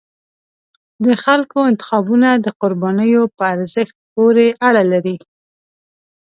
د خلکو انتخابونه د قربانیو په ارزښت پورې اړه لري